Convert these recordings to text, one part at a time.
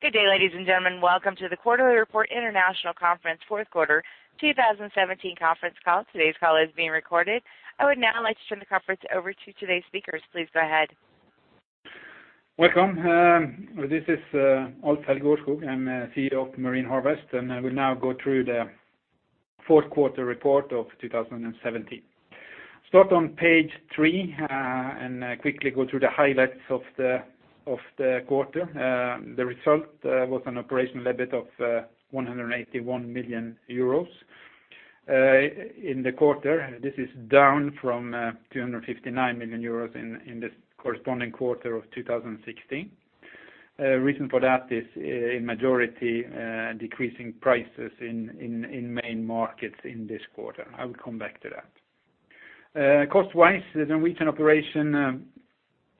Good day, ladies and gentlemen. Welcome to the quarterly report international conference, fourth quarter 2017 conference call. Today's call is being recorded. I would now like to turn the conference over to today's speakers. Please go ahead. Welcome. This is Alf-Helge Aarskog. I'm CEO of Marine Harvest. I will now go through the fourth quarter report of 2017. Start on page three. Quickly go through the highlights of the quarter. The result was an operational EBIT of 181 million euros in the quarter. This is down from 259 million euros in the corresponding quarter of 2016. Reason for that is, in majority, decreasing prices in main markets in this quarter. I will come back to that. Cost-wise, the Norwegian operation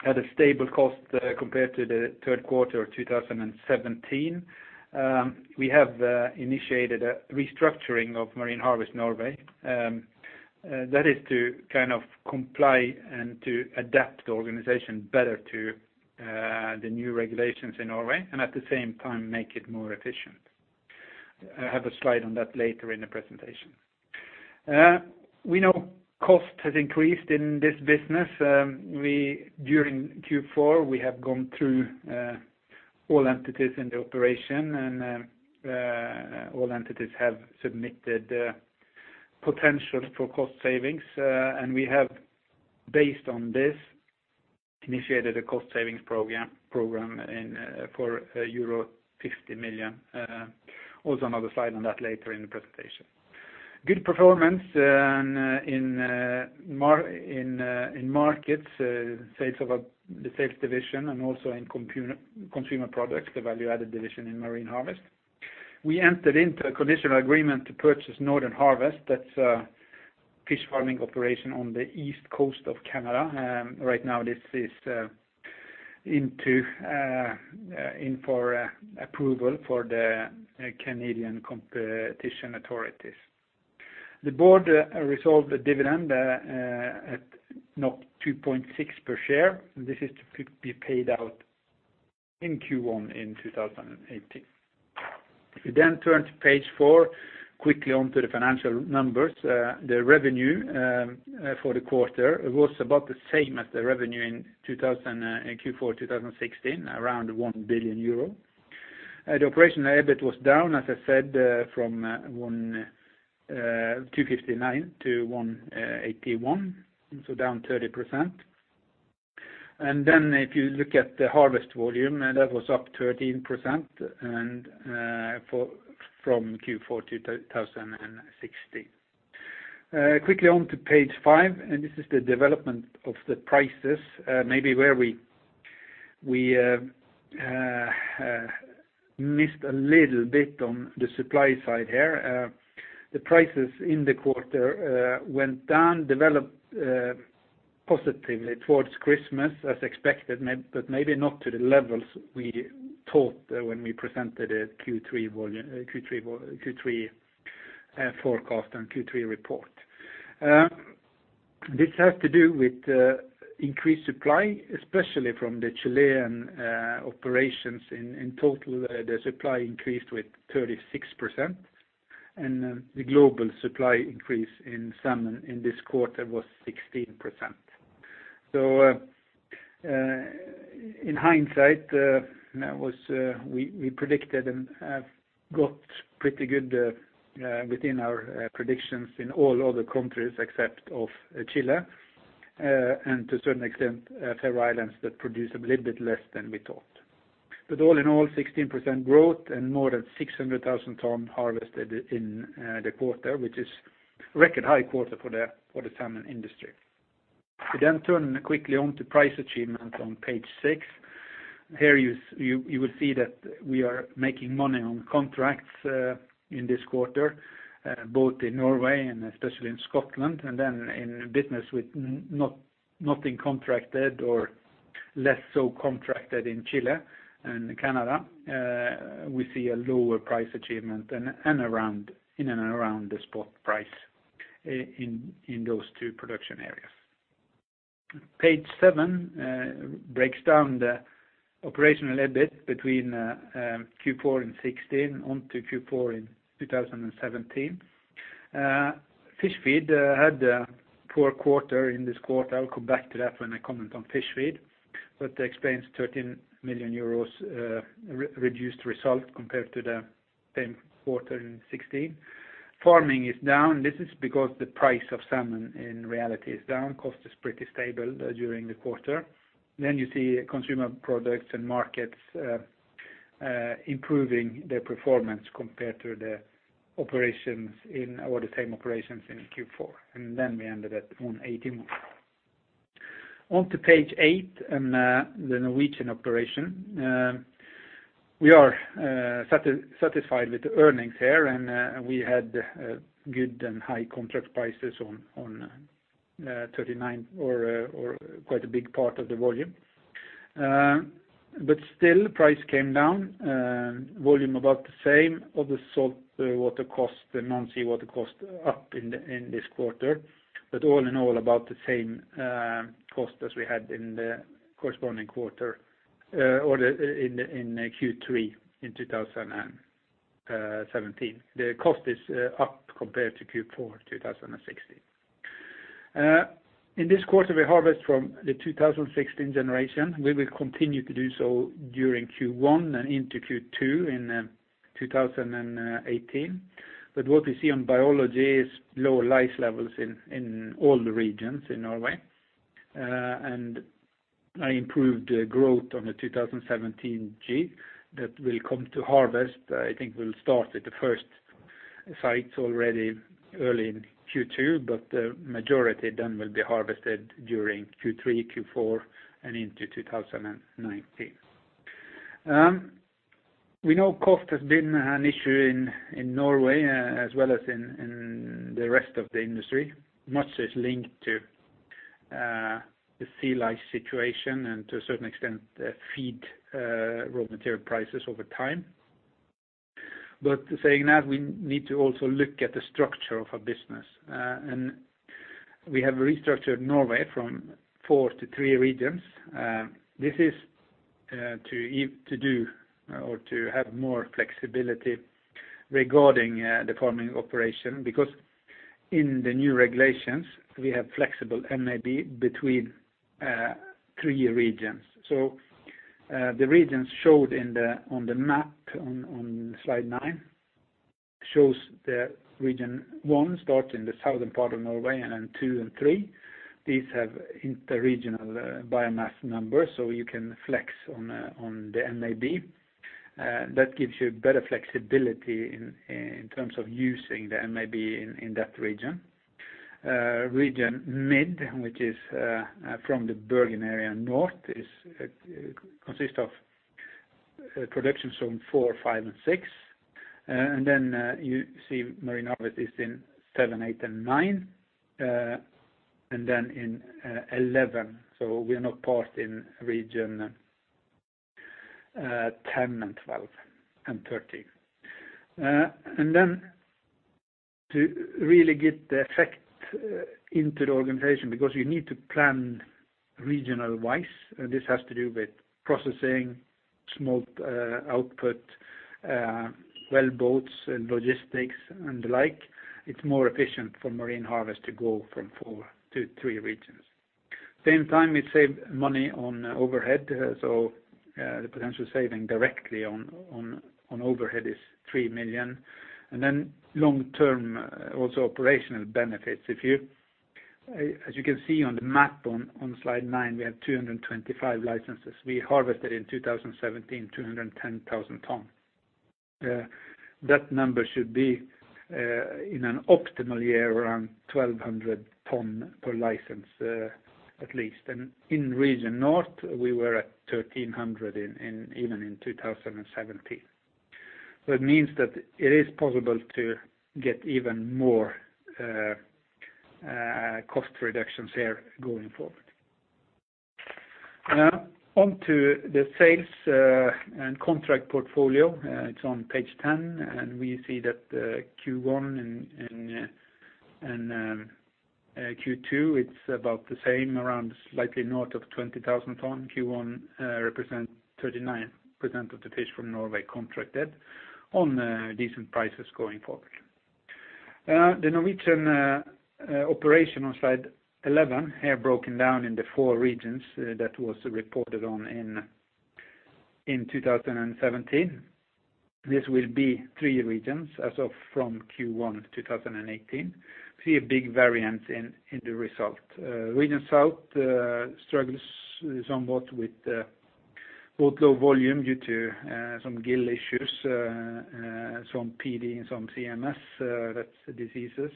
had a stable cost compared to the third quarter of 2017. We have initiated a restructuring of Marine Harvest Norway. That is to comply and to adapt the organization better to the new regulations in Norway, at the same time, make it more efficient. I have a slide on that later in the presentation. We know cost has increased in this business. During Q4, we have gone through all entities in the operation. All entities have submitted potential for cost savings. We have, based on this, initiated a cost savings program for euro 50 million. Also another slide on that later in the presentation. Good performance in markets, the sales division, and also in consumer products, the value-added division in Marine Harvest. We entered into a conditional agreement to purchase Northern Harvest. That's a fish farming operation on the east coast of Canada. Right now, this is in for approval for the Canadian competition authorities. The board resolved a dividend at 2.6 per share. This is to be paid out in Q1 in 2018. If we turn to page four, quickly onto the financial numbers. The revenue for the quarter was about the same as the revenue in Q4 2016, around 1 billion euro. The operational EBIT was down, as I said, from 259 million-181 million, so down 30%. If you look at the harvest volume, that was up 13% from Q4 2016. Quickly on to page five, and this is the development of the prices, maybe where we missed a little bit on the supply side here. The prices in the quarter went down, developed positively towards Christmas as expected, but maybe not to the levels we thought when we presented Q3 forecast and Q3 report. This has to do with increased supply, especially from the Chilean operations. In total, the supply increased with 36%, and the global supply increase in salmon in this quarter was 16%. In hindsight, we predicted and have got pretty good within our predictions in all other countries except of Chile, and to a certain extent, Faroe Islands that produce a little bit less than we thought. All in all, 16% growth and more than 600,000 tons harvested in the quarter, which is record high quarter for the salmon industry. We turn quickly on to price achievement on page six. Here you will see that we are making money on contracts in this quarter, both in Norway and especially in Scotland, in business with not being contracted or less so contracted in Chile and Canada. We see a lower price achievement in and around the spot price in those two production areas. Page seven breaks down the operational EBIT between Q4 in 2016 on to Q4 in 2017. Fish feed had a poor quarter in this quarter. I'll come back to that when I comment on fish feed. That explains 13 million euros reduced result compared to the same quarter in 2016. Farming is down. This is because the price of salmon in reality is down. Cost is pretty stable during the quarter. You see consumer products and markets improving their performance compared to the same operations in Q4. We ended at 181 million. On to page eight and the Norwegian operation. We are satisfied with the earnings here, and we had good and high contract prices on 39 or quite a big part of the volume. Still, price came down, volume about the same. Other saltwater cost and non-seawater cost up in this quarter. All in all, about the same cost as we had in the corresponding quarter or in Q3 in 2017. The cost is up compared to Q4 2016. In this quarter, we harvest from the 2016 generation. We will continue to do so during Q1 and into Q2 in 2018. What we see on biology is lower sea lice levels in all the regions in Norway, and improved growth on the 2017 G that will come to harvest. I think we'll start at the first sites already early in Q2, the majority then will be harvested during Q3, Q4 and into 2019. We know cost has been an issue in Norway as well as in the rest of the industry. Much is linked to the sea lice situation and to a certain extent, feed raw material prices over time. Saying that, we need to also look at the structure of our business. We have restructured Norway from four to three regions. This is to do or to have more flexibility regarding the farming operation because in the new regulations we have flexible MAB between three regions. The regions showed on the map on slide nine, shows the region one start in the southern part of Norway and then two and three. These have inter-regional biomass numbers, so you can flex on the MAB. That gives you better flexibility in terms of using the MAB in that region. Region mid, which is from the Bergen area north consist of production zone four, five and six. Then you see Marine Harvest is in seven, eight and nine, and then in 11. We are not part in region 10 and 12 and 13. To really get the effect into the organization, because you need to plan regional wise, this has to do with processing, smolt output, wellboats and logistics and the like. It's more efficient for Marine Harvest to go from two to three regions. Same time, we save money on overhead. The potential saving directly on overhead is 3 million. Long-term also operational benefits. As you can see on the map on slide nine, we have 225 licenses. We harvested in 2017, 210,000 tons. That number should be in an optimal year around 1,200 tons per license, at least. In region north, we were at 1,300 in even in 2017. It means that it is possible to get even more cost reductions there going forward. Now onto the sales and contract portfolio. It's on page 10. We see that Q1 and Q2, it's about the same, around slightly north of 20,000 tons. Q1 represents 39% of the fish from Norway contracted on decent prices going forward. The Norwegian operation on slide 11 here broken down into four regions that was reported on in 2017. This will be three regions as of from Q1 2018. We see a big variance in the result. Region South struggles somewhat with both low volume due to some gill issues, some PD and some CMS. That's the diseases.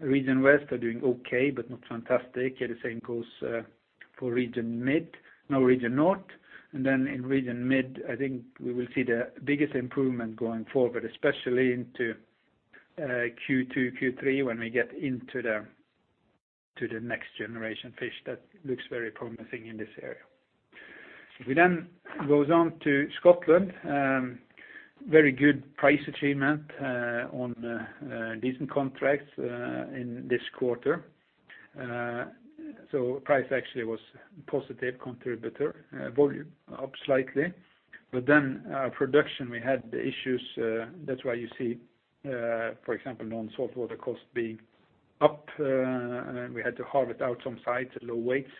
Region West is doing okay, but not fantastic. The same goes for Region Mid. No Region North. In Region Mid, I think we will see the biggest improvement going forward, especially into Q2, Q3 when we get into the next generation fish. That looks very promising in this area. If we go on to Scotland. Very good price achievement on decent contracts in this quarter. Price actually was positive contributor. Volume up slightly. Production, we had issues. That's why you see for example, non-saltwater cost being up. We had to harvest out some sites at low weights.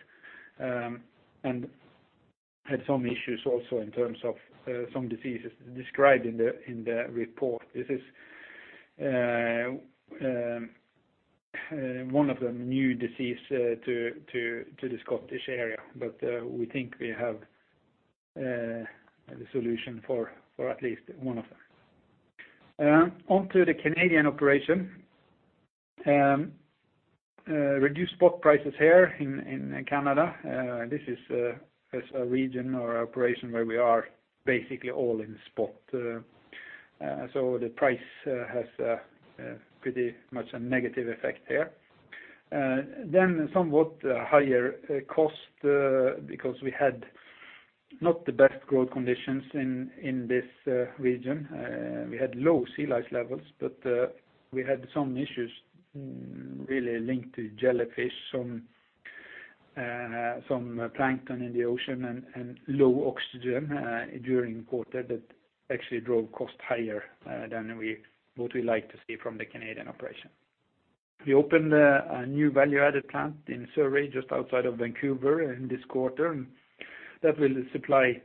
Had some issues also in terms of some disease described in the report. This is one of the new disease to the Scottish area, but we think we have the solution for at least one of them. Onto the Canadian operation. Reduced spot prices here in Canada. This is a region or operation where we are basically all in spot. The price has pretty much a negative effect there. Somewhat higher cost because we had not the best growth conditions in this region. We had low sea lice levels, but we had some issues really linked to jellyfish, some plankton in the ocean and low oxygen during the quarter that actually drove costs higher than what we like to see from the Canadian operation. We opened a new value-added plant in Surrey, just outside of Vancouver in this quarter, and that will supply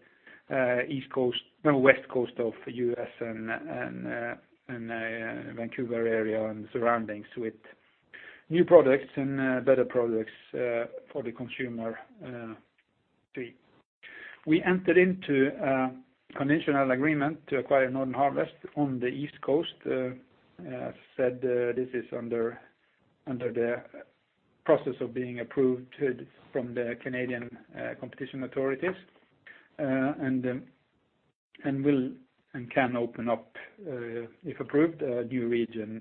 the West Coast of the U.S. and Vancouver area and surroundings with new products and better products for the consumer. We entered into a conditional agreement to acquire Northern Harvest on the East Coast. As said, this is under the process of being approved from the Canadian competition authorities. Can open up, if approved, a new region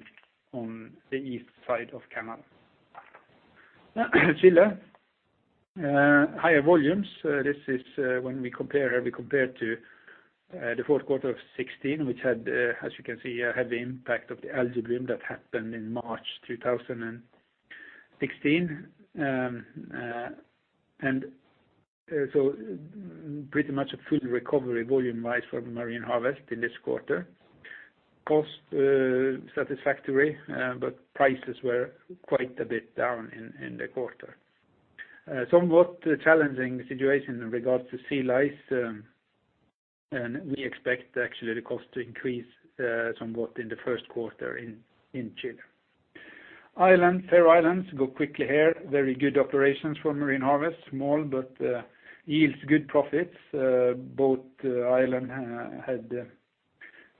on the east side of Canada. Chile, higher volumes. This is when we compare to the fourth quarter of 2016, which had, as you can see here, had the impact of the algal bloom that happened in March 2016. Pretty much a full recovery volume-wise for Marine Harvest in this quarter. Cost satisfactory, prices were quite a bit down in the quarter. Somewhat challenging situation in regards to sea lice, we expect actually the cost to increase somewhat in the first quarter in Chile. Faroe Islands, go quickly here. Very good operations for Marine Harvest. Small yields good profits. Both islands had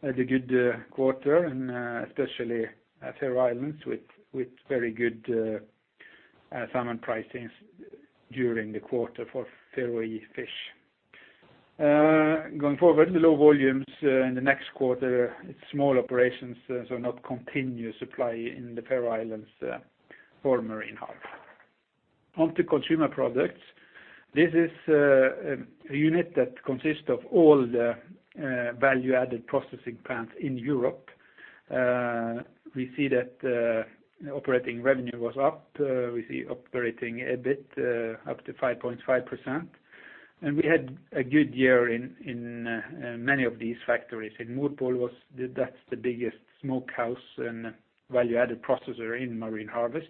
a good quarter especially Faroe Islands with very good salmon pricings during the quarter for Faroe fish. Going forward, low volumes in the next quarter. It's small operations, not continuous supply in the Faroe Islands for Marine Harvest. Onto consumer products. This is a unit that consists of all the value-added processing plants in Europe. We see that operating revenue was up. We see operating EBIT up to 5.5%. We had a good year in many of these factories. In Morpol, that's the biggest smokehouse and value-added processor in Marine Harvest,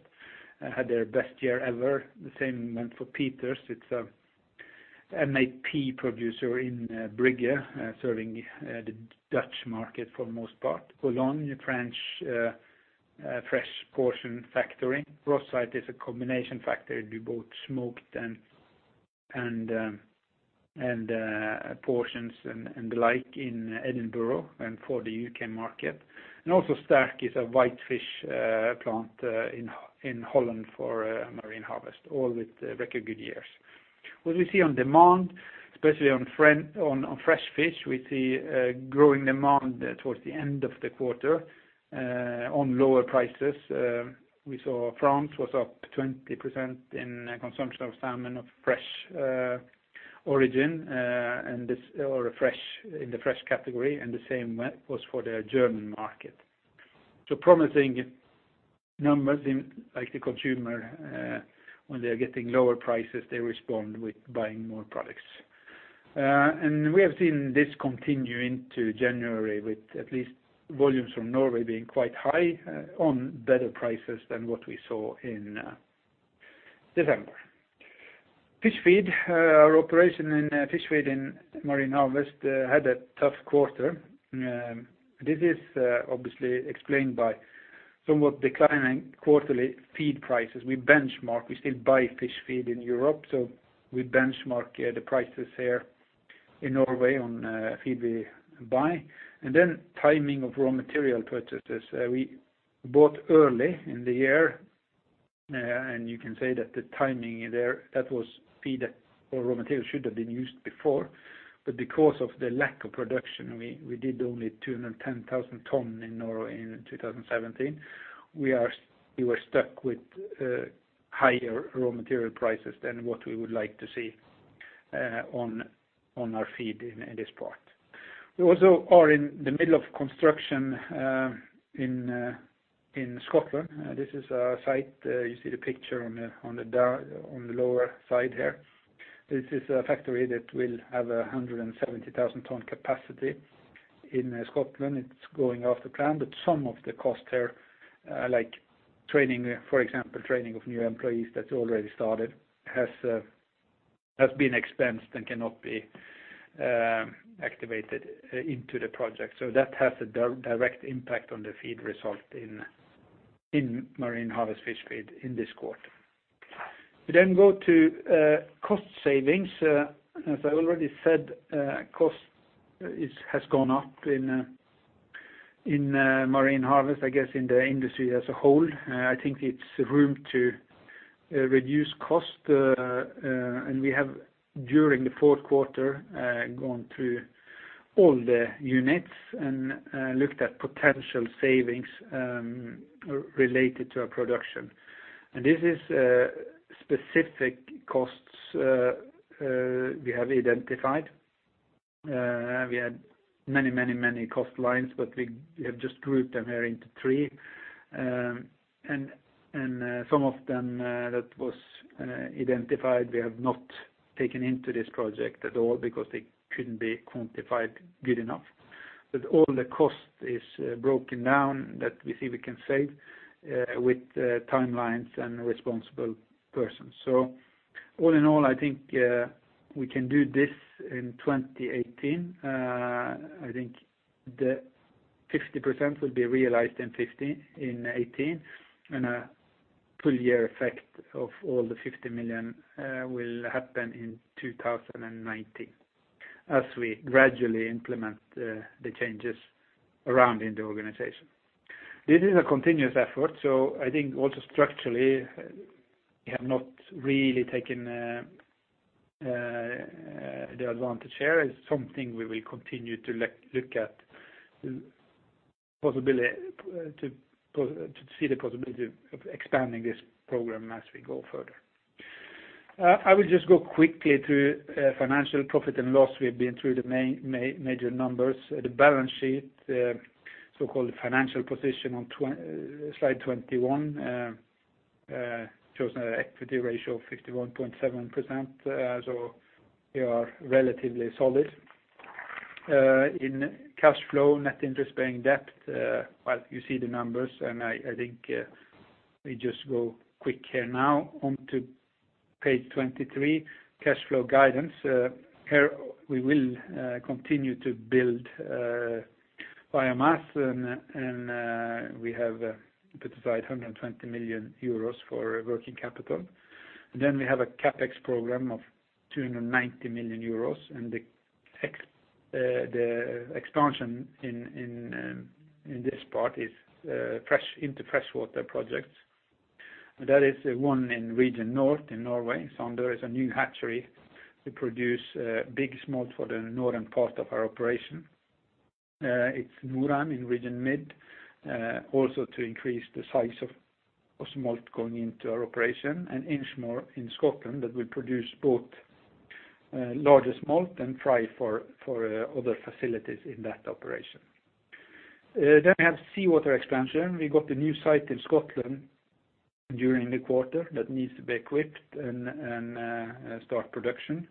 had their best year ever. The same went for Pieters. It's a MAP producer in Bruges, serving the Dutch market for the most part. Boulogn, a French fresh portion factory. Rosyth is a combination factory, do both smoked and portions and the like in Edinburgh and for the U.K. market. Also Sterk is a whitefish plant in Holland for Marine Harvest, all with record good years. What we see on demand, especially on fresh fish, we see a growing demand towards the end of the quarter on lower prices. We saw France was up 20% in consumption of salmon of fresh origin, or in the fresh category. The same went for the German market. Promising numbers in the consumer. When they are getting lower prices, they respond with buying more products. We have seen this continue into January with at least volumes from Norway being quite high on better prices than what we saw in December. Fish feed. Our operation in fish feed in Marine Harvest had a tough quarter. This is obviously explained by somewhat declining quarterly feed prices. We benchmark. We still buy fish feed in Europe. We benchmark the prices here in Norway on feed we buy. Timing of raw material purchases. We bought early in the year, and you can say that the timing there, that was feed or raw material should have been used before, but because of the lack of production, we did only 210,000 tons in Norway in 2017. We were stuck with higher raw material prices than what we would like to see on our feed in this part. We also are in the middle of construction in Scotland. This is a site. You see the picture on the lower side here. This is a factory that will have 170,000-ton capacity in Scotland. Some of the costs there like training, for example, training of new employees that's already started, has been expensed and cannot be activated into the project. That has a direct impact on the feed result in Marine Harvest fish feed in this quarter. We go to cost savings. As I already said, cost has gone up in Marine Harvest, I guess in the industry as a whole. I think it's room to reduce cost. We have during the fourth quarter, gone through all the units and looked at potential savings related to our production. This is specific costs we have identified. We had many cost lines, but we have just grouped them here into three. Some of them that was identified, we have not taken into this project at all because they couldn't be quantified good enough. All the cost is broken down that we see we can save with timelines and responsible persons. All in all, I think we can do this in 2018. I think the 50% will be realized in 2018, and a full year effect of all the 50 million will happen in 2019 as we gradually implement the changes around in the organization. This is a continuous effort, I think also structurally we have not really taken the advantage here. It's something we will continue to look at to see the possibility of expanding this program as we go further. I will just go quickly through financial profit and loss. We have been through the major numbers. The balance sheet, the so-called financial position on slide 21, shows an equity ratio of 51.7%. We are relatively solid. In cash flow, net interest-bearing debt, well, you see the numbers, and I think we just go quick here now. On to page 23, cash flow guidance. Here we will continue to build biomass, and we have put aside 120 million euros for working capital. We have a CapEx program of 290 million euros, and the expansion in this part is into freshwater projects. That is one in Region North in Norway. Sande is a new hatchery to produce big smolt for the northern part of our operation. It's Nordheim in Region Mid, also to increase the size of smolt going into our operation, and Inchmore in Scotland that will produce both larger smolt and fry for other facilities in that operation. We have seawater expansion. We got a new site in Scotland during the quarter that needs to be equipped and start production.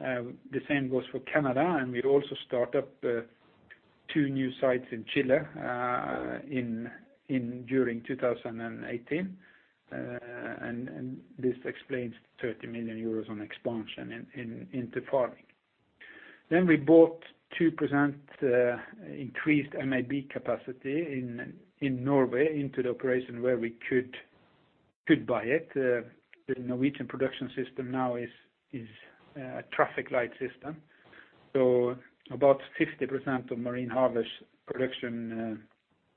The same goes for Canada, and we also start up two new sites in Chile during 2018. This explains the 30 million euros on expansion into farming. We bought 2% increased MAB capacity in Norway into the operation where we could buy it. The Norwegian production system now is a traffic light system. About 50% of Marine Harvest production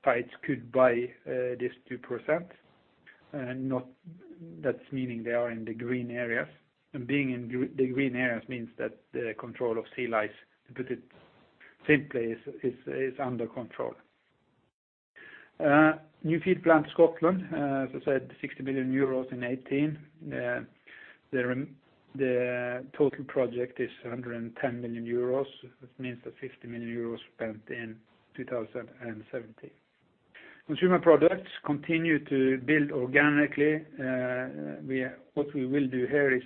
sites could buy this 2%. That's meaning they are in the green areas. Being in the green areas means that the control of sea lice, to put it simply, is under control. New feed plant Scotland, as I said, 60 million euros in 2018. The total project is 110 million euros, which means that 50 million euros spent in 2017. Consumer products continue to build organically. What we will do here is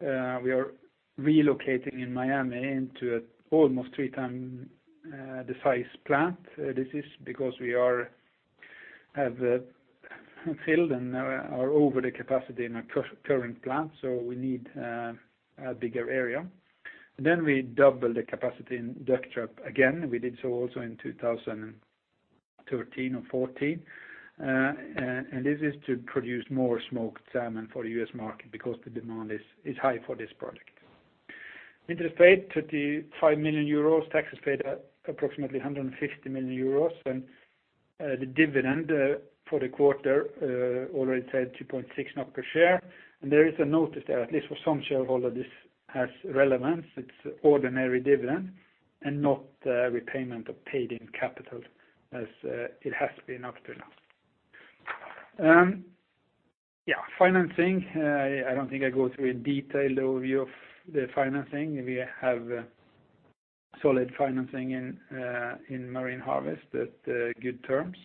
we are relocating in Miami into an almost three times the size plant. This is because we have filled and are over the capacity in our current plant, so we need a bigger area. We double the capacity in Ducktrap again. We did so also in 2013 or 2014. This is to produce more smoked salmon for the U.S. market because the demand is high for this product. Interest paid, 35 million euros. Taxes paid, approximately 150 million euros. The dividend for the quarter, already said 2.6 per share. There is a notice there, at least for some shareholders, this has relevance. It's ordinary dividend and not repayment of paid-in capital as it has been up till now. Financing. I don't think I go through a detailed overview of the financing. We have solid financing in Marine Harvest at good terms.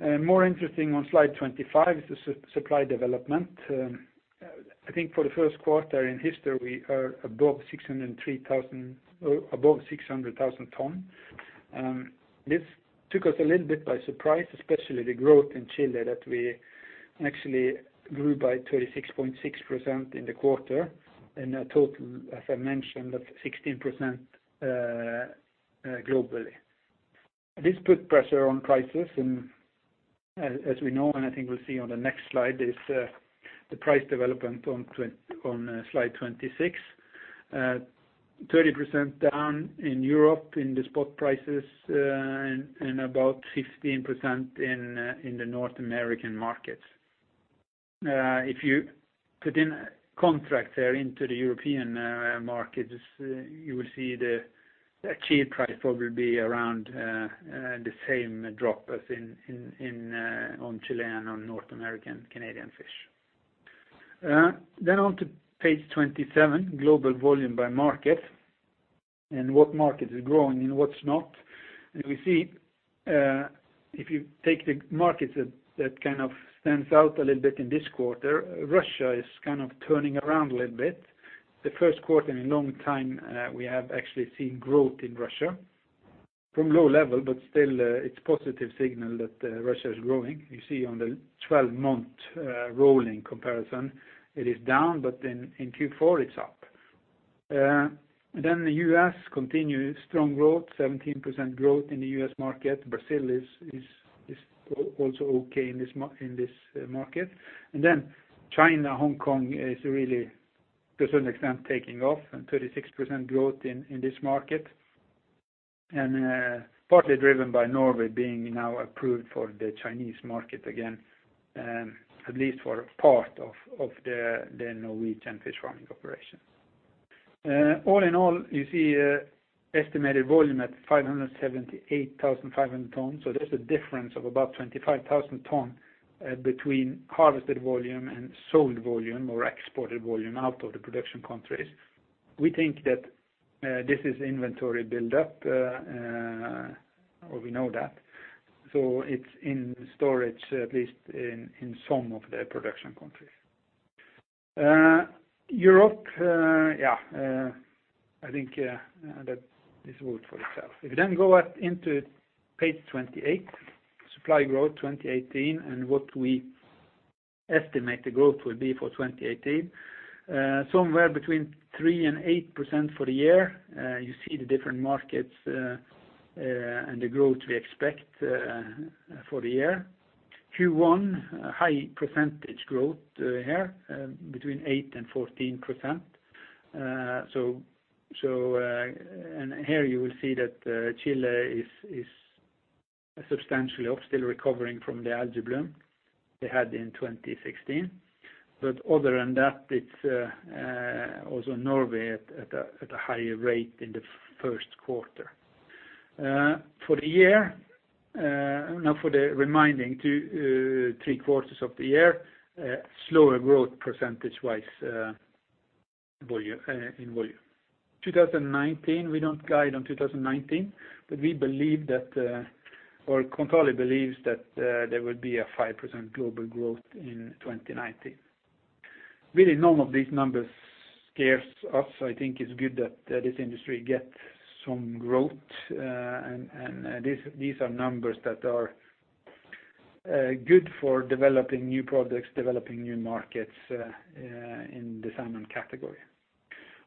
More interesting on slide 25 is the supply development. I think for the first quarter in history, we are above 600,000 tons. This took us a little bit by surprise, especially the growth in Chile that we actually grew by 36.6% in the quarter. In a total, as I mentioned, of 16% globally. This put pressure on prices, and as we know, and I think we'll see on the next slide is the price development on slide 26. 30% down in Europe in the spot prices and about 15% in the North American markets. If you put in a contract there into the European markets, you will see the achieved price probably be around the same drop as on Chilean, on North American, Canadian fish. On to page 27, global volume by market, and what market is growing and what's not. We see if you take the markets that kind of stands out a little bit in this quarter, Russia is turning around a little bit. The first quarter in a long time, we have actually seen growth in Russia. From low level. Still it's positive signal that Russia is growing. You see on the 12-month rolling comparison, it is down, in Q4 it's up. The U.S. continues strong growth, 17% growth in the U.S. market. Brazil is also okay in this market. China, Hong Kong is really to a certain extent taking off and 36% growth in this market. Partly driven by Norway being now approved for the Chinese market again, at least for a part of the Norwegian fish farming operation. All in all, you see estimated volume at 578,500 tons, so there's a difference of about 25,000 tons between harvested volume and sold volume or exported volume out of the production countries. We think that this is inventory build-up, or we know that. It's in storage at least in some of the production countries. Europe, I think that speaks for itself. If you go up into page 28, supply growth 2018 and what we estimate the growth will be for 2018. Somewhere between 3%-8% for the year. You see the different markets and the growth we expect for the year. Q1, high percentage growth here between 8%-14%. Here you will see that Chile is substantially up, still recovering from the algal bloom they had in 2016. Other than that, it's also Norway at a higher rate in the first quarter. For the year, now for the remaining three quarters of the year, slower growth percentage-wise in volume. 2019, we don't guide on 2019, we believe that, or Kontali believes that there will be a 5% global growth in 2019. Really none of these numbers scares us. I think it's good that this industry gets some growth. These are numbers that are good for developing new products, developing new markets in the salmon category.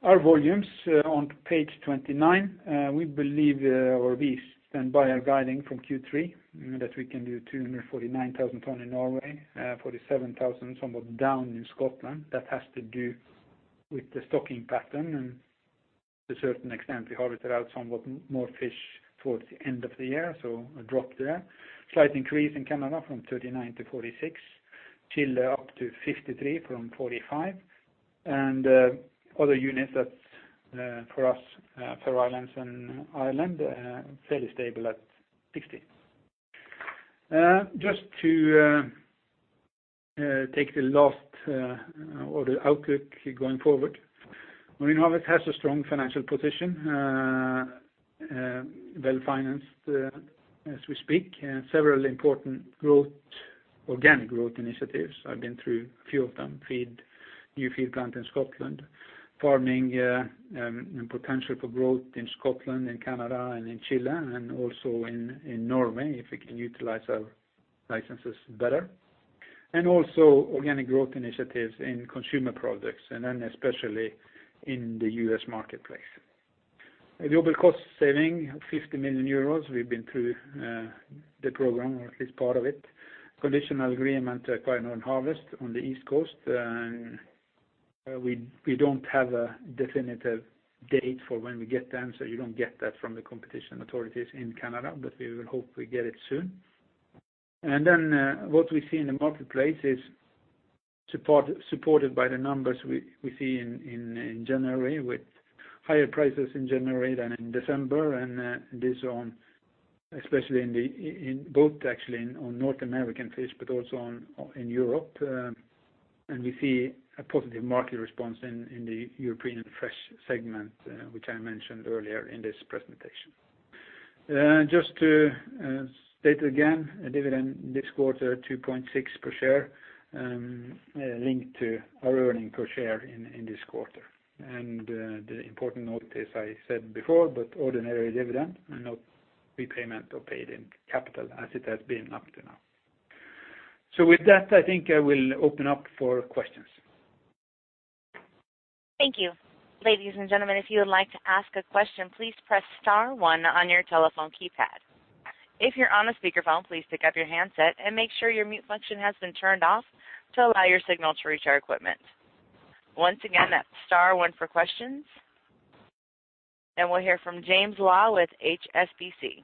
Our volumes are on page 29. We believe or we stand by our guiding from Q3 that we can do 249,000 tons in Norway, 47,000 somewhat down in Scotland. That has to do with the stocking pattern and to a certain extent, we harvested out somewhat more fish towards the end of the year, so a drop there. Slight increase in Canada from 39-46. Chile up to 53 from 45. Other units that for us, Faroe Islands and Ireland fairly stable at 60. Just to take the last or the outlook going forward. Marine Harvest has a strong financial position, well-financed as we speak, and several important organic growth initiatives. I've been through a few of them. New feed plant in Scotland, farming and potential for growth in Scotland and Canada and in Chile and also in Norway if we can utilize our licenses better. Also organic growth initiatives in consumer products and then especially in the U.S. marketplace. Global cost saving 50 million euros. We've been through the program or at least part of it. Conditional agreement acquired Northern Harvest on the East Coast. We don't have a definitive date for when we get them, so you don't get that from the competition authorities in Canada, but we will hope we get it soon. Then what we see in the marketplace is supported by the numbers we see in January with higher prices in January than in December and this on especially in both actually on North American fish but also in Europe. We see a positive market response in the European fresh segment which I mentioned earlier in this presentation. Just to state again, a dividend this quarter, 2.6 per share, linked to our earning per share in this quarter. The important note is I said before, but ordinary dividend and no prepayment or paid in capital as it has been up to now. With that, I think I will open up for questions. Thank you. Ladies and gentlemen, if you would like to ask a question, please press star one on your telephone keypad. If you're on a speakerphone, please pick up your handset and make sure your mute function has been turned off to allow your signal to reach our equipment. Once again, that's star one for questions. We'll hear from James Law with HSBC.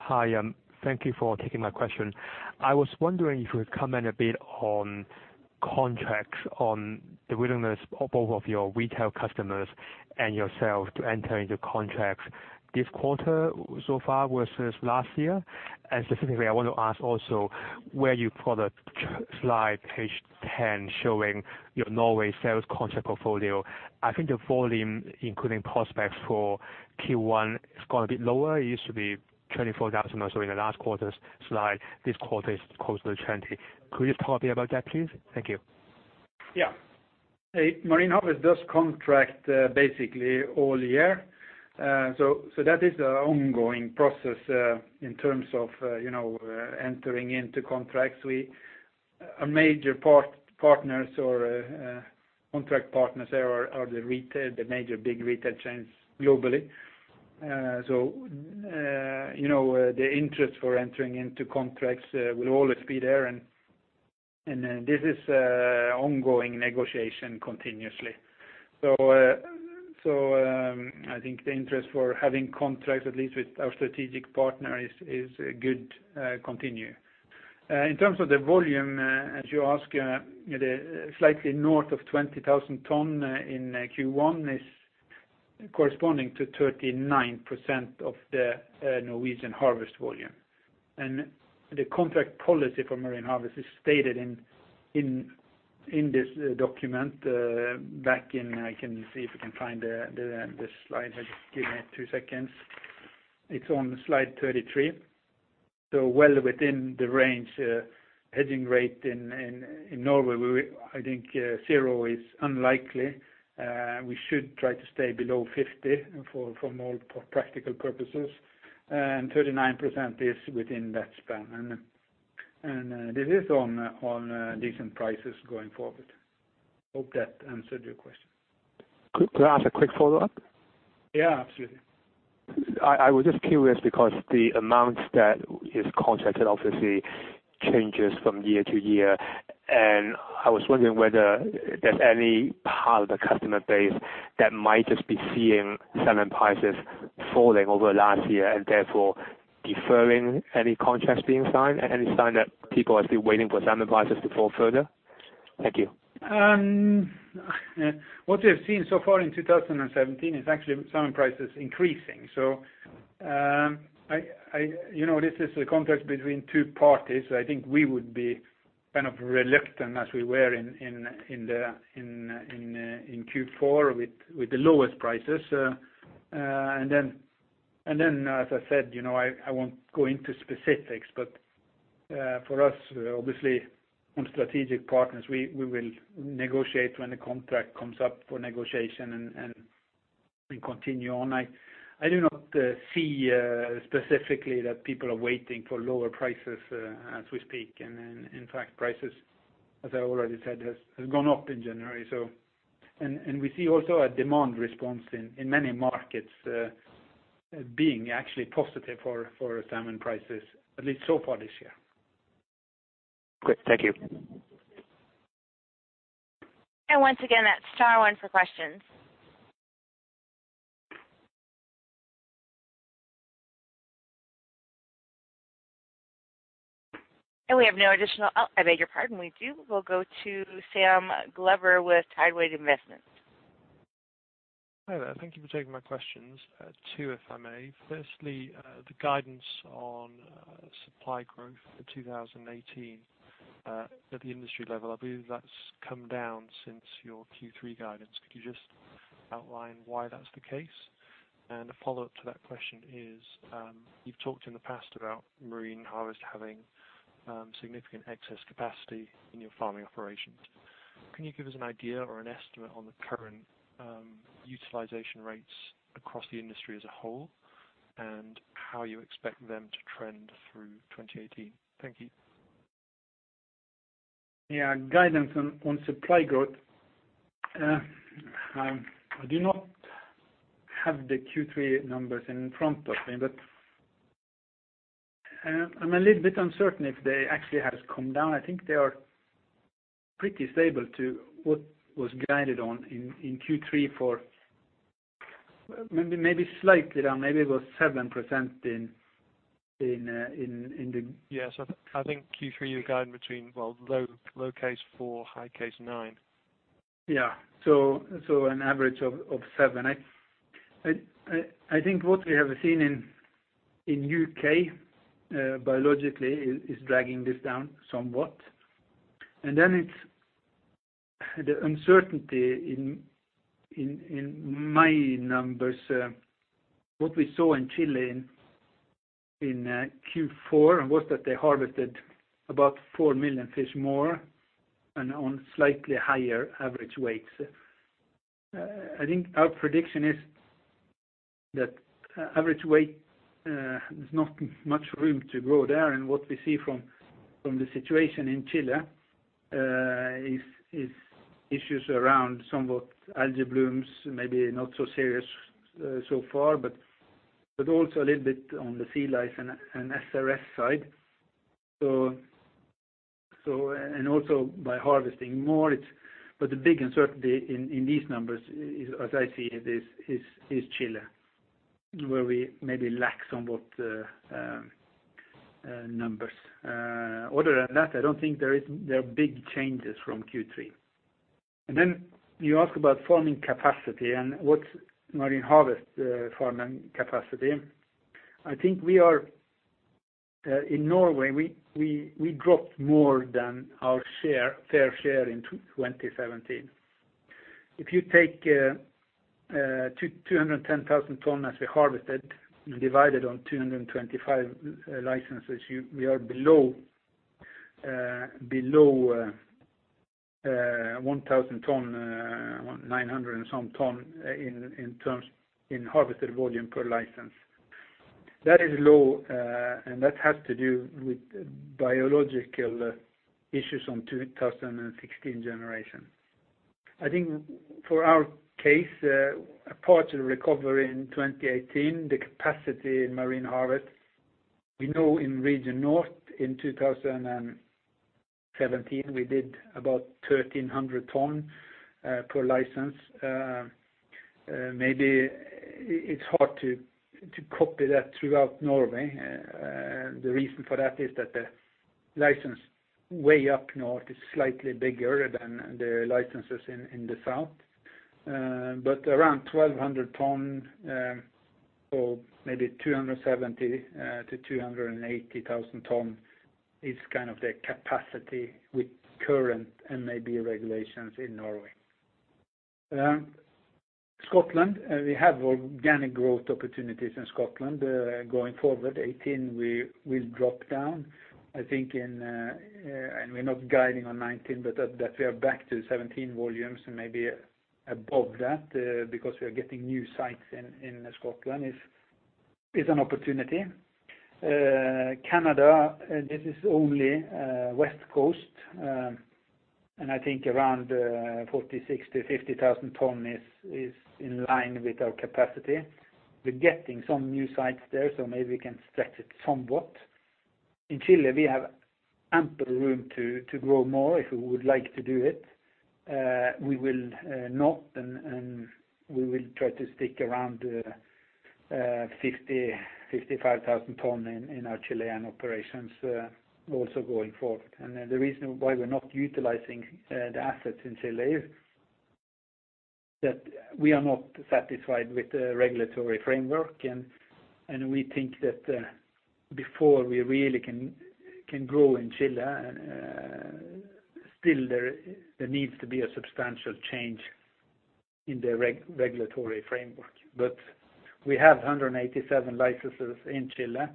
Hi. Thank you for taking my question. I was wondering if you would comment a bit on contracts, on the willingness of both of your retail customers and yourself to enter into contracts this quarter so far versus last year. Specifically, I want to ask also where you product slide page 10 showing your Norway sales contract portfolio. I think the volume, including prospects for Q1, has gone a bit lower. It used to be 24,000 or so in the last quarter's slide. This quarter is close to 20,000. Could you talk a bit about that, please? Thank you. Yeah. Marine Harvest does contract basically all year. That is an ongoing process, in terms of entering into contracts. Our major partners or contract partners there are the major big retail chains globally. The interest for entering into contracts will always be there, and this is ongoing negotiation continuously. I think the interest for having contracts, at least with our strategic partner, is good continue. In terms of the volume, as you ask, the slightly north of 20,000 tons in Q1 is corresponding to 39% of the Norwegian harvest volume. The contract policy for Marine Harvest is stated in this document, back in I can see if we can find the slide. Just give me two seconds. It's on slide 33. Well within the range hedging rate in Norway, where I think zero is unlikely. We should try to stay below 50% for more practical purposes. 39% is within that span. This is on decent prices going forward. Hope that answered your question. Could I ask a quick follow-up? Yeah, absolutely. I was just curious because the amount that is contracted obviously changes from year to year, and I was wondering whether there's any part of the customer base that might just be seeing salmon prices falling over last year and therefore deferring any contracts being signed, any sign that people might be waiting for salmon prices to fall further. Thank you. What we have seen so far in 2017 is actually salmon prices increasing. This is a contract between two parties. I think we would be kind of reluctant, as we were in Q4 with the lowest prices. Then, as I said, I won't go into specifics, but for us, obviously, on strategic partners, we will negotiate when the contract comes up for negotiation and continue on. I do not see specifically that people are waiting for lower prices as we speak. In fact, prices, as I already said, has gone up in January. We see also a demand response in many markets being actually positive for salmon prices, at least so far this year. Great. Thank you. Once again, that's star star for questions. We have no additional Oh, I beg your pardon. We do. We'll go to Sam Glover with Tideway Investment. Hi there. Thank you for taking my questions. Two, if I may. Firstly, the guidance on supply growth for 2018 at the industry level, I believe that's come down since your Q3 guidance. Could you just outline why that's the case? A follow-up to that question is, you've talked in the past about Marine Harvest having significant excess capacity in your farming operations. Can you give us an idea or an estimate on the current utilization rates across the industry as a whole, and how you expect them to trend through 2018? Thank you. Guidance on supply growth. I do not have the Q3 numbers in front of me, but I am a little bit uncertain if they actually have come down. I think they are pretty stable to what was guided on in Q3 for maybe slightly down, maybe it was 7% in the. Yes, I think Q3, you were guiding between, well, low case 4%, high case 9%. Yeah. An average of 7%. I think what we have seen in U.K. biologically is dragging this down somewhat, and then it's the uncertainty in my numbers. What we saw in Chile in Q4 was that they harvested about 4 million fish more and on slightly higher average weights. I think our prediction is that average weight, there's not much room to grow there, and what we see from the situation in Chile is issues around somewhat algal blooms, maybe not so serious so far, but also a little bit on the sea lice and SRS side. Also by harvesting more. The big uncertainty in these numbers, as I see it, is Chile, where we maybe lack somewhat numbers. Other than that, I don't think there are big changes from Q3. You ask about farming capacity and what's Marine Harvest farming capacity. I think in Norway, we dropped more than our fair share in 2017. If you take 210,000 tons we harvested and divide it on 225 licenses, we are below 1,000 tons, 900 and some tons in harvested volume per license. That is low, and that has to do with biological issues on 2016 generation. I think for our case, a partial recovery in 2018, the capacity in Marine Harvest, we know in Region North in 2017, we did about 1,300 tons per license. Maybe it's hard to copy that throughout Norway. The reason for that is that the license way up north is slightly bigger than the licenses in the south. But around 1,200 tons, or maybe 270,000 tons-280,000 tons is the capacity with current MAB regulations in Norway. Scotland, we have organic growth opportunities in Scotland going forward. 2018 will drop down, I think in. We're not guiding on 2019, but that we are back to 2017 volumes and maybe above that because we are getting new sites in Scotland. It's an opportunity. Canada, this is only West Coast, and I think around 46,000 tons-50,000 tons is in line with our capacity. We're getting some new sites there, so maybe we can stretch it somewhat. In Chile, we have ample room to grow more if we would like to do it. We will not, and we will try to stick around 50,000 tons-55,000 tons in our Chilean operations also going forward. The reason why we're not utilizing the assets in Chile is that we are not satisfied with the regulatory framework, and we think that before we really can grow in Chile, still there needs to be a substantial change in the regulatory framework. We have 187 licenses in Chile.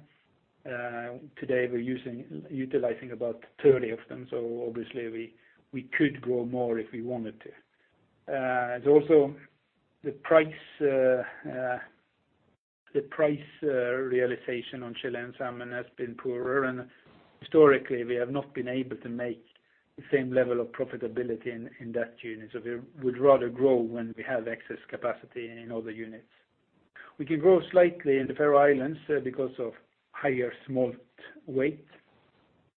Today we're utilizing about 30 of them, so obviously we could grow more if we wanted to. Also the price realization on Chilean salmon has been poorer, and historically we have not been able to make the same level of profitability in that unit. We would rather grow when we have excess capacity in other units. We can grow slightly in the Faroe Islands because of higher smolt weight.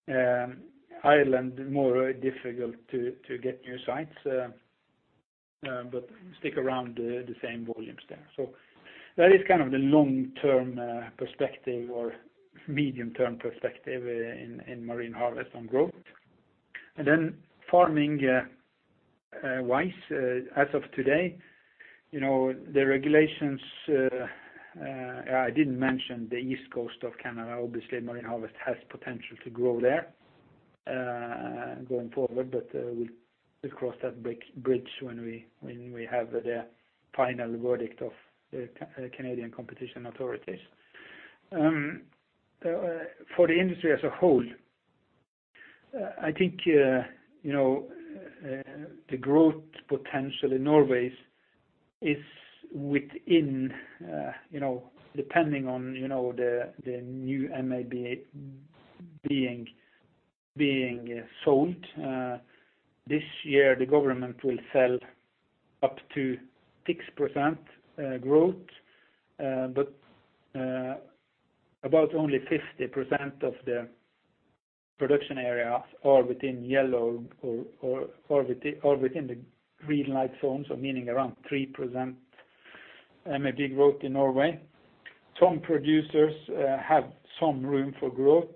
Ireland is more difficult to get new sites, but stick around the same volumes there. That is the long-term perspective or medium-term perspective in Marine Harvest on growth. Farming-wise, as of today, I didn't mention the east coast of Canada. Marine Harvest has potential to grow there going forward, but we'll cross that bridge when we have the final verdict of the Canadian competition authorities. For the industry as a whole, I think the growth potential in Norway is depending on the new MAB being sold. This year, the government will sell up to 6% growth. About only 50% of the production areas are within yellow or within the green light zones, so meaning around 3% MAB growth in Norway. Some producers have some room for growth,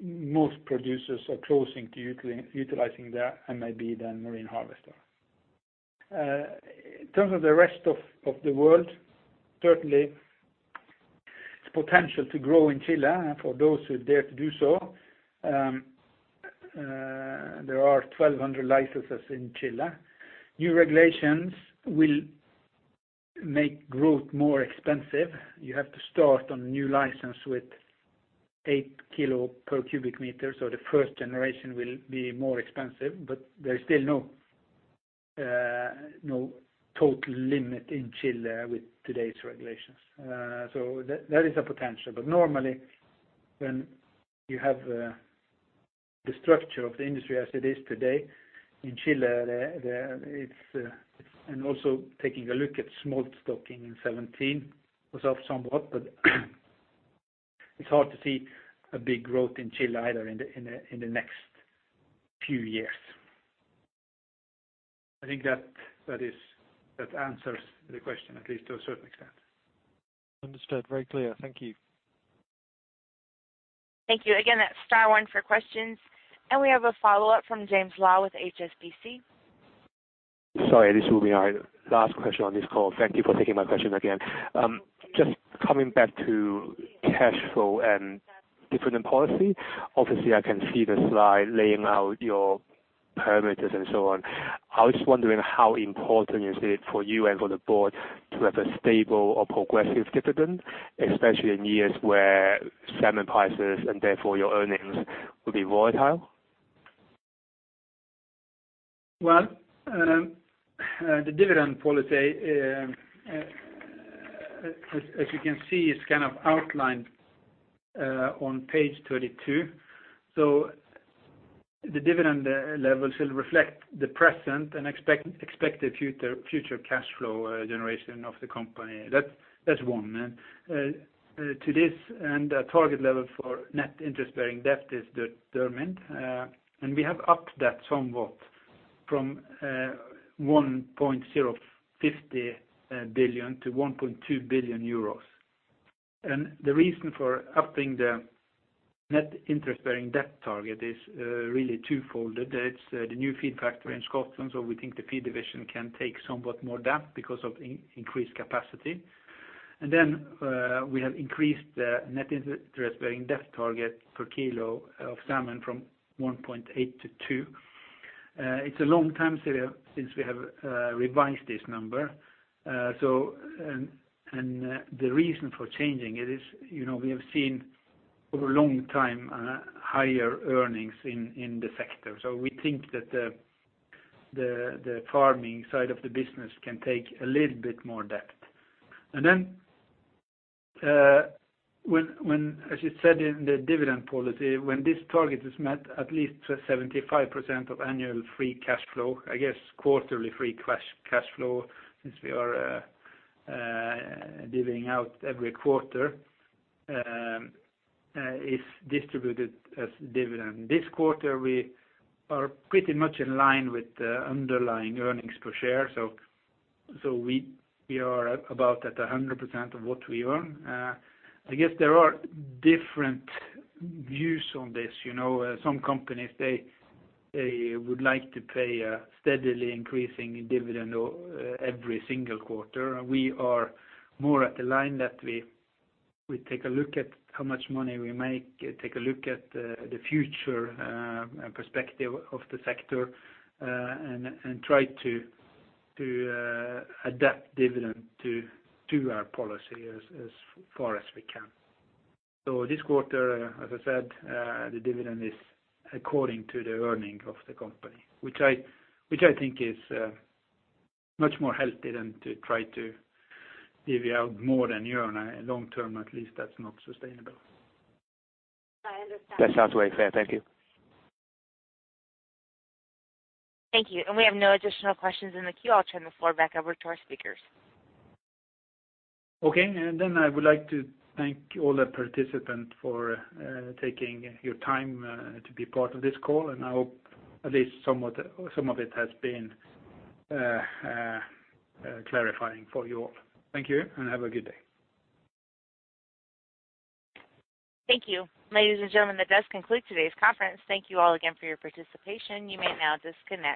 most producers are closing to utilizing their MAB than Marine Harvest. In terms of the rest of the world, certainly there's potential to grow in Chile for those who dare to do so. There are 1,200 licenses in Chile. New regulations will make growth more expensive. You have to start on a new license with 8 kg/m³ so the first generation will be more expensive, there's still no total limit in Chile with today's regulations. There is a potential, but normally the structure of the industry as it is today in Chile, and also taking a look at smolt stocking in 2017, was off somewhat. It is hard to see a big growth in Chile either in the next few years. I think that answers the question, at least to a certain extent. Understood. Very clear. Thank you. Thank you. Again, that's star one for questions. We have a follow-up from James Law with HSBC. Sorry, this will be our last question on this call. Thank you for taking my question again. Just coming back to cash flow and dividend policy. Obviously, I can see the slide laying out your parameters and so on. I was just wondering how important is it for you and for the board to have a stable or progressive dividend, especially in years where salmon prices and therefore your earnings will be volatile? Well, the dividend policy, as you can see, is kind of outlined on page 32. The dividend levels will reflect the present and expected future cash flow generation of the company. To this, a target level for net interest-bearing debt is determined. We have upped that somewhat from 1.050 billion-1.2 billion euros. The reason for upping the net interest-bearing debt target is really twofold. It's the new feed factory in Scotland, so we think the feed division can take somewhat more debt because of increased capacity. We have increased the net interest-bearing debt target per kilo of salmon from 1.8-2. It's a long time since we have revised this number. The reason for changing it is we have seen, over a long time, higher earnings in the sector. We think that the farming side of the business can take a little bit more debt. Then, as you said, in the dividend policy, when this target is met, at least 75% of annual free cash flow, I guess quarterly free cash flow, since we are dealing out every quarter, is distributed as dividend. This quarter, we are pretty much in line with the underlying earnings per share. We are about at 100% of what we earn. I guess there are different views on this. Some companies, they would like to pay a steadily increasing dividend every single quarter. We are more at the line that we take a look at how much money we make, take a look at the future perspective of the sector, and try to adapt dividend to our policy as far as we can. This quarter, as I said, the dividend is according to the earnings of the company, which I think is much more healthy than to try to give you out more than you earn. Long term, at least that's not sustainable. That sounds very fair. Thank you. Thank you. We have no additional questions in the queue. I'll turn the floor back over to our speakers. Okay. I would like to thank all the participants for taking your time to be part of this call, and I hope at least some of it has been clarifying for you all. Thank you and have a good day. Thank you. Ladies and gentlemen, that does conclude today's conference. Thank you all again for your participation. You may now disconnect.